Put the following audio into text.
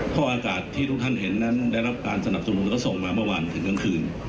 เพราะอากาศที่ทุกท่านเห็นนั้นได้รับการสนับสนุนแล้วก็ส่งมาเมื่อวานถึงกลางคืน